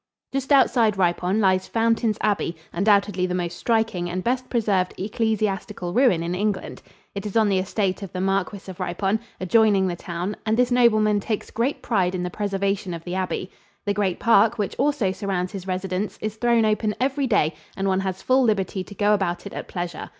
Just outside Ripon lies Fountains Abbey, undoubtedly the most striking and best preserved ecclesiastical ruin in England. It is on the estate of the Marquis of Ripon, adjoining the town, and this nobleman takes great pride in the preservation of the abbey. The great park, which also surrounds his residence, is thrown open every day and one has full liberty to go about it at pleasure.